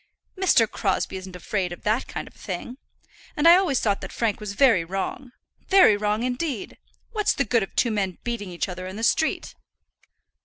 "Mr. Crosbie isn't afraid of that kind of thing. And I always thought that Frank was very wrong, very wrong indeed. What's the good of two men beating each other in the street?"